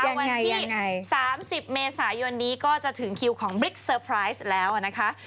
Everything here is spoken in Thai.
วันที่๓๐เมษายนนี้ก็จะถึงคิวของบิ๊กเซอร์ไพรส์แล้วนะคะ